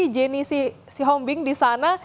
jenisi sihombing di sana